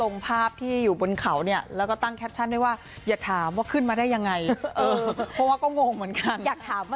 มันจะหายเหนื่อย